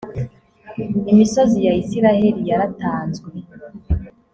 imisozi ya isirayeli yaratanzwe